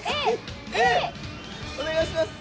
お願いします。